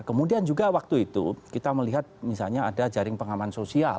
kemudian juga waktu itu kita melihat misalnya ada jaring pengaman sosial